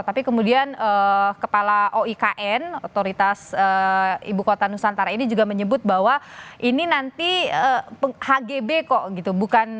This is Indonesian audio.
tapi kemudian kepala oikn otoritas ibu kota nusantara ini juga menyebut bahwa ini nanti hgb kok gitu